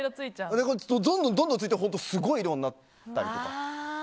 どんどんどんどんついて本当、すごい量になったり。